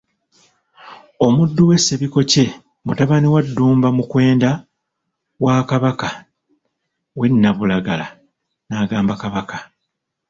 Omuddu we Ssebikokye, mutabani wa Ddumba Mukwenda wa Kabaka w'e Nnabulagala, n'agamba Kabaka.